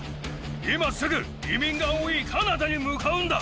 今すぐ移民が多いカナダに向かうんだ。